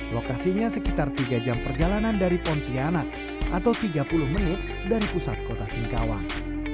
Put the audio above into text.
lokasinya sekitar tiga jam perjalanan dari pontianak atau tiga puluh menit dari pusat kota singkawang